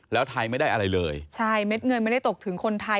แล้วไทยไม่ได้อะไรเลยใช่เม็ดเงินไม่ได้ตกถึงคนไทย